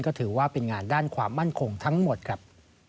ก็ถือว่าเป็นงานด้านความมั่นคงทั้งหมดครับ